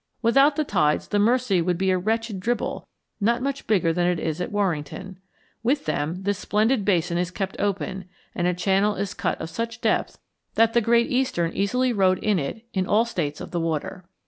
Without the tides the Mersey would be a wretched dribble not much bigger than it is at Warrington. With them, this splendid basin is kept open, and a channel is cut of such depth that the Great Eastern easily rode in it in all states of the water.